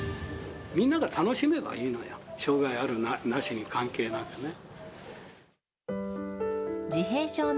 みんなが楽しめばいいのよ、障がいあるなしに関係なくね。